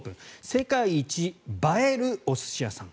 世界一映えるお寿司屋さん。